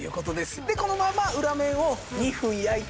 でこのまま裏面を２分焼いて完成。